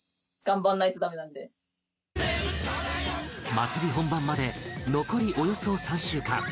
祭り本番まで残りおよそ３週間